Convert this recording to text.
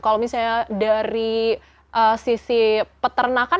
kalau misalnya dari sisi peternakan